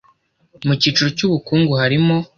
Mu cyiciro cy ubukungu harimo